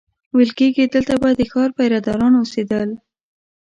ویل کېږي دلته به د ښار پیره داران اوسېدل.